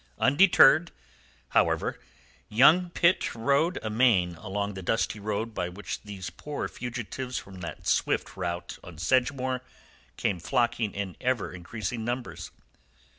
Undeterred, however, young Pitt rode amain along the dusty road by which these poor fugitives from that swift rout on Sedgemoor came flocking in ever increasing numbers.